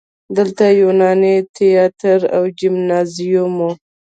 دلته یوناني تیاتر او جیمنازیوم و